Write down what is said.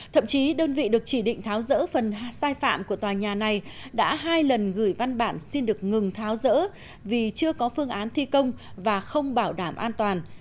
thậm chí đơn vị được chỉ định tháo rỡ phần sai phạm của tòa nhà này đã hai lần gửi văn bản xin được ngừng tháo rỡ vì chưa có phương án thi công và không bảo đảm an toàn